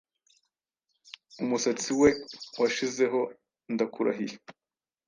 Umusatsi we washizeho ndakurahiye